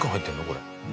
これ。